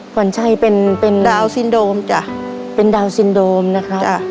กว่านชัยเป็นสินโดมจ๊ะเป็นสินโดมนะครับ